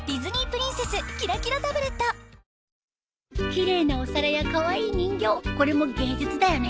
奇麗なお皿やカワイイ人形これも芸術だよね。